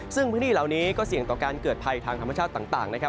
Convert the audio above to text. ซึ่งพื้นที่เหล่านี้ก็เสี่ยงต่อการเกิดภัยทางธรรมชาติต่างนะครับ